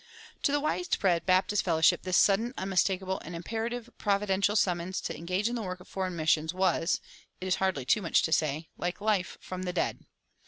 To the widespread Baptist fellowship this sudden, unmistakable, and imperative providential summons to engage in the work of foreign missions was (it is hardly too much to say) like life from the dead.